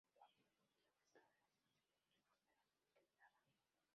Cuando se establece la relación, se produce una operante discriminada.